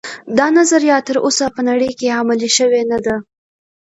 دا نظریه تر اوسه په نړۍ کې عملي شوې نه ده